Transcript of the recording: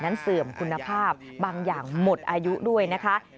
เสื่อมคุณภาพบางอย่างหมดอายุด้วยนะคะ